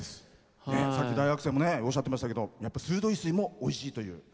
さっき大学生もおっしゃっていましたけど水道水もおいしいという。